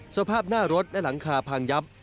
สภาพหน้ารถและหลังคาพังยับ